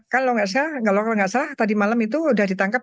kalau nggak salah tadi malam itu sudah ditangkap